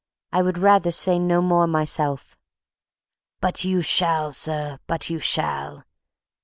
I would rather say no more myself." "But you shall, sir, but you shall!